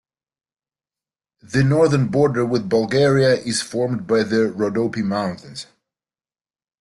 The northern border with Bulgaria is formed by the Rhodope Mountains.